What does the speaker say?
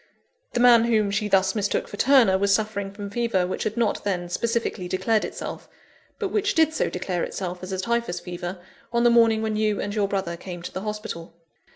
The man whom she thus mistook for Turner, was suffering from fever which had not then specifically declared itself; but which did so declare itself, as a Typhus fever, on the morning when you and your brother came to the hospital.